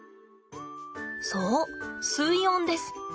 そう水温です。